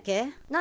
何？